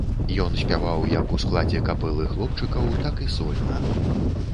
Ён спяваў як у складзе капэлы хлопчыкаў, так і сольна.